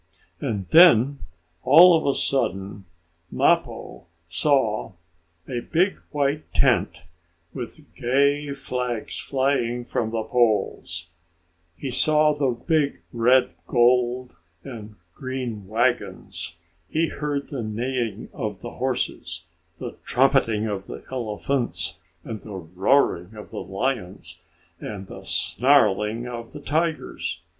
And then, all of a sudden, Mappo saw a big white tent, with gay flags flying from the poles. He saw the big red, gold and green wagons. He heard the neighing of the horses, the trumpeting of the elephants, the roaring of the lions, and the snarling of the tigers.